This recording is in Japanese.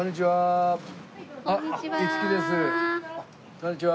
こんにちは。